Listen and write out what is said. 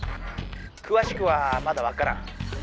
くわしくはまだわからん。